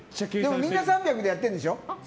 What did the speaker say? みんな３００でやってるんでしょ？